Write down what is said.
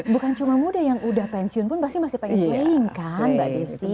bukan cuma muda yang udah pensiun pun pasti masih pengen playing kan mbak desi